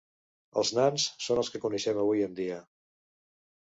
Els nans són els que coneixem avui en dia.